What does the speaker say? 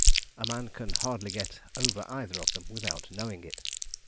A man can hardly get over either of them without knowing it.